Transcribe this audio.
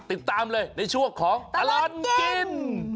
ติดตามเลยในช่วงของตลอดกิน